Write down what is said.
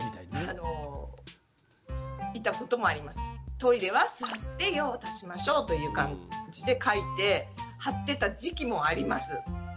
トイレは座って用を足しましょうという感じで書いて貼ってた時期もあります。